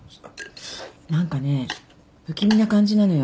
何かね不気味な感じなのよ。